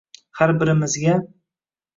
har birimizga